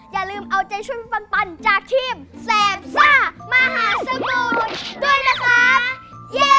อย่าลืมเอาใจช่วยพี่ปันปันจากทีมแสบซ่ามหาสมุทร